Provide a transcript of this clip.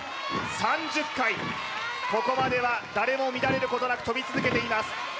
ここまでは誰も乱れることなく跳び続けています